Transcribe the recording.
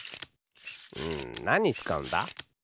うんなににつかうんだ？